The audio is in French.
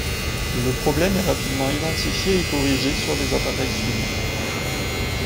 Le problème est rapidement identifié et corrigé sur les appareils suivants.